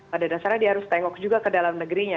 pada dasarnya dia harus tengok juga ke dalam negerinya